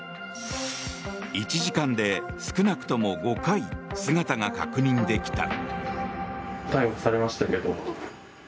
１時間で少なくとも５回姿が確認できた。